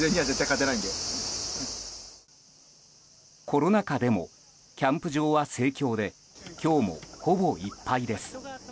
コロナ禍でもキャンプ場は盛況で今日も、ほぼいっぱいです。